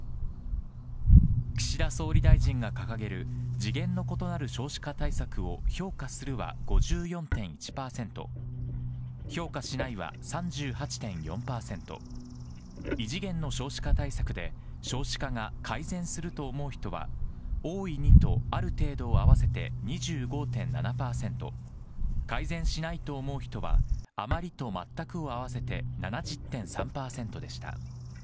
岸田総理大臣が掲げる次元の異なる少子化対策を評価するは５４．１％、評価しないは３８．４％、異次元の少子化対策で少子化が改善すると思う人は、大いにと、ある程度を合わせて２５．７％、改善しないと思う人は、あまりと、全くを合わせて７０．３％でした。